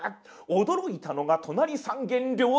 驚いたのが隣三軒両隣。